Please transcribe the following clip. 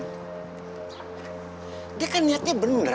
hai dia kan niatnya bener